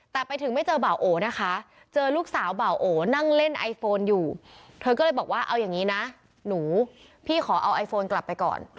แต่ไปถึงไม่เจอบ่าโอนะคะเจอลูกสาวบ่าโอนั่งเล่นไอโฟนอยู่เธอก็เลยบอกว่าเอาอย่างนี้นะหนูพี่ขอเอาไอโฟนกลับไปก่อน